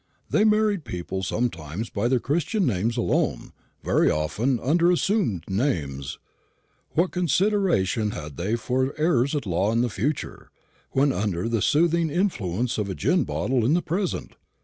They married people sometimes by their Christian names alone very often under assumed names. What consideration had they for heirs at law in the future, when under the soothing influence of a gin bottle in the present?